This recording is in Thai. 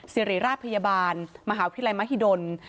สิริราชพยาบาลมหาวิทยาลัยมหิดล